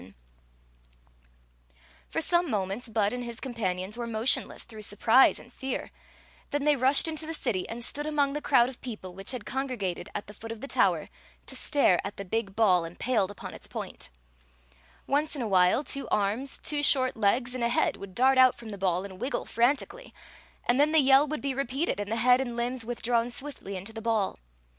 >o8 Queen Zixi of Ix; or, the For some moments Bud and his companions were motionless through surprise and fear; then they rushed into the city and stood among the crowd of people which had congregated at the foot of the tower to stare at the big ball impaled upon its point Once in a while, two arms, two short legs, and a head would dart out from the ball and wiggle frantically, and then the yell would be repeated and the head and limbs withdrawn swifdy into the ball.